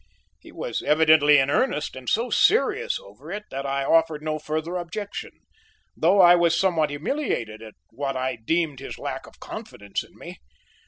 He was evidently in earnest and so serious over it that I offered no further objection, though I was somewhat humiliated at what I deemed his lack of confidence in me.